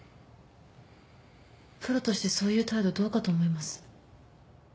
プロとしてそういう態度どうかと思います。